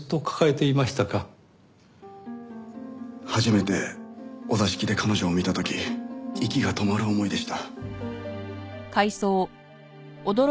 初めてお座敷で彼女を見た時息が止まる思いでした。